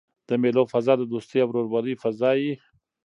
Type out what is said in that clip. د مېلو فضا د دوستۍ او ورورولۍ فضا يي.